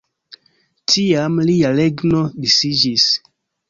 Tiam lia regno disiĝis.